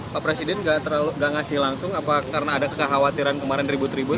pak presiden gak ngasih langsung karena ada kekhawatiran kemarin ribut ribut